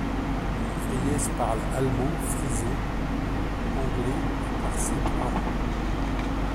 Il Vries parle allemand, frison, anglais et pârsî couramment.